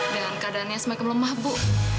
dan keadaannya semakin lemah bu